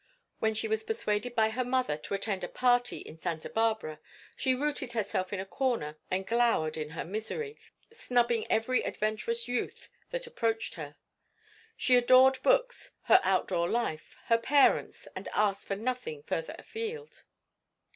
When she was persuaded by her mother to attend a party in Santa Barbara she rooted herself in a corner and glowered in her misery, snubbing every adventurous youth that approached her. She adored books, her out door life, her parents, and asked for nothing further afield.